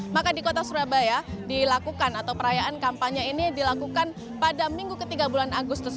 maka di kota surabaya dilakukan atau perayaan kampanye ini dilakukan pada minggu ketiga bulan agustus